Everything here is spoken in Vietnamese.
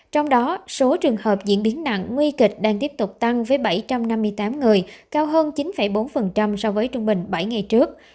trong đó số trường hợp diễn biến nặng nguy kịch đang tiếp tục tăng với bảy trăm năm mươi tám người cao hơn chín bốn so với trung bình bảy ngày trước